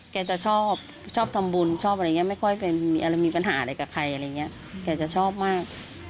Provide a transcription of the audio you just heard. แกจะชอบชอบทำบุญชอบอะไรอย่างเงี้ไม่ค่อยไปมีอะไรมีปัญหาอะไรกับใครอะไรอย่างเงี้ยแกจะชอบมาก